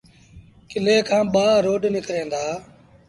ڪلي کآݩ ٻآ روڊ نڪريݩ دآ۔